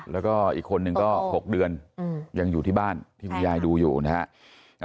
แล้วก็อีกคนนึงก็๖เดือนยังอยู่ที่บ้านที่คุณยายดูอยู่นะฮะ